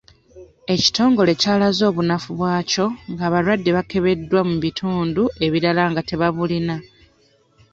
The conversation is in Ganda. Ekitongole ky'alaze obunafu bwakyo nga abalwadde bakebeddwa mu bitundu ebirala nga tebabulina.